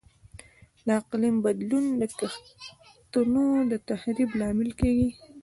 د اقلیم بدلون د کښتونو د تخریب لامل کیږي.